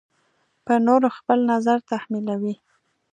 په نورو خپل نظر تحمیلوي.